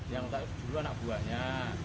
yang dulu anak buahnya